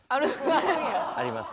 あります。